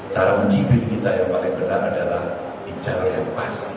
cara menjibil kita yang paling benar adalah di jalur yang pas